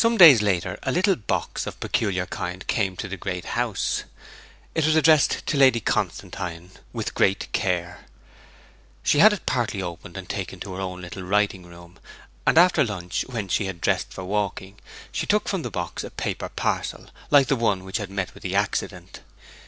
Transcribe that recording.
Some days later a little box of peculiar kind came to the Great House. It was addressed to Lady Constantine, 'with great care.' She had it partly opened and taken to her own little writing room; and after lunch, when she had dressed for walking, she took from the box a paper parcel like the one which had met with the accident.